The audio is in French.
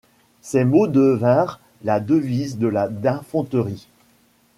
Ces mots devinrent la devises de la d'infanterie.